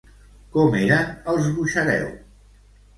Com eren els Buxareu?